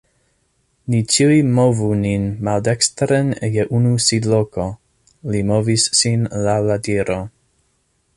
"Ni ĉiuj movu nin maldekstren je unu sidloko." Li movis sin laŭ la diro.